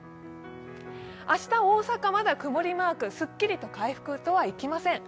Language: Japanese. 明日、大阪はまだ曇りマーク、すっきりと回復とはいきません。